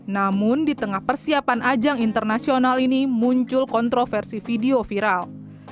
namun di tengah persiapan ajang internasional ini muncul kontroversi video viral